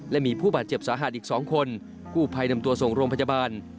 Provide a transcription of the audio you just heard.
และมีผู้บาดเจ็บสาหัสอีก๒คนกู้ภัยนำตัวส่งโรงพยาบาล